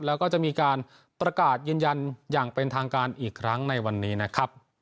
แล้วก็จะมีการประกาศยืนยันอย่างเป็นทางการอีกครั้งในวันนี้นะครับ